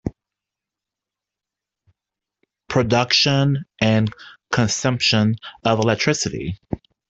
Production and Consumption of electricity.